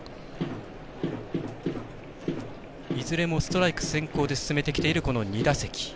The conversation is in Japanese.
いずれもストライク先行で進めてきているこの２打席。